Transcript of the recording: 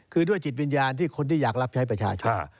คือด้วยจิตวิญญาณที่คนที่อยากรับใช้ประชาชน